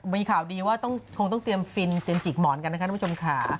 มีข่าวดีว่าคงต้องเตรียมฟินเตรียมจิกหมอนกันนะคะทุกผู้ชมค่ะ